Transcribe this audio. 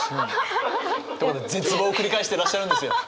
絶望を繰り返してらっしゃるんですよ。